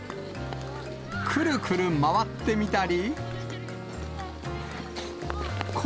くるくる回ってみたり。